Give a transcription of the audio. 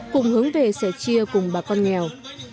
cùng hướng về sẻ chia cùng bà con nghèo